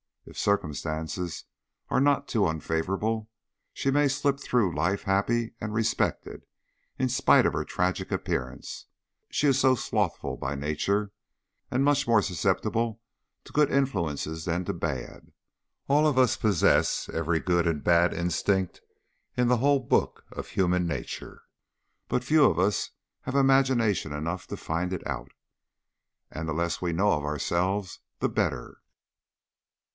If circumstances are not too unfavourable, she may slip through life happy and respected, in spite of her tragic appearance: she is so slothful by nature, so much more susceptible to good influences than to bad. All of us possess every good and bad instinct in the whole book of human nature, but few of us have imagination enough to find it out. And the less we know of ourselves the better."